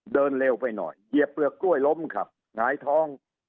เดินเร็วไปหน่อยเหยียบเปลือกกล้วยล้มครับหงายท้อง